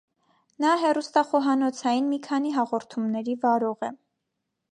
Նա հեռուստախոհանոցային մի քանի հաղորդումների վարող է։